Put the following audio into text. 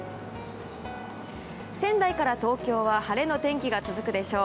仙台から東京は晴れの天気が続くでしょう。